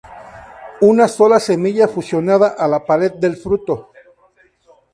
Una sola semilla fusionada a la pared del fruto.